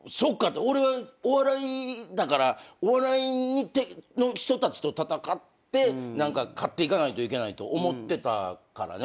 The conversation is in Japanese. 俺はお笑いだからお笑いの人たちと戦って勝っていかないといけないと思ってたからね。